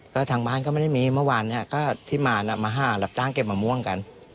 ก็ทางบ้านก็ไม่ได้มีเมื่อวานที่มามาห้าหลับตั้งเก็บมะม่วงกัน